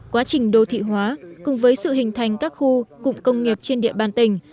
quá trình đô thị hóa cùng với sự hình thành các khu cụm công nghiệp trên địa bàn tỉnh